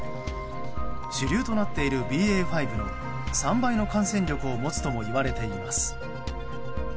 主流となっているＢＡ．５の３倍の感染力を持つともいわれています。